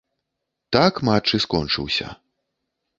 Так матч і скончыўся.